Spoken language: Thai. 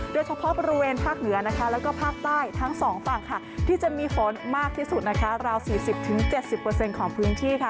โดยเฉพาะบริเวณภาคเหนือนะคะแล้วก็ภาคใต้ทั้งสองฝั่งค่ะที่จะมีฝนมากที่สุดนะคะราว๔๐๗๐ของพื้นที่ค่ะ